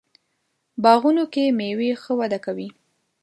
باغونو کې میوې ښه وده کوي.